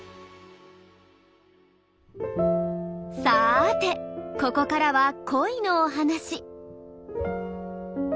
さてここからは恋のお話。